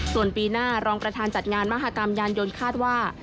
ส่วนปีหน้ารองประธานจัดงานมหากรรมยานยนต์คาดว่า